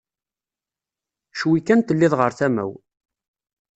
Cwi kan telliḍ ɣer tama-w.